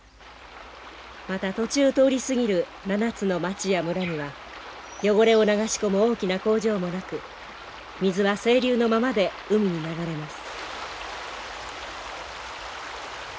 また途中通り過ぎる７つの町や村には汚れを流し込む大きな工場もなく水は清流のままで海に流れます。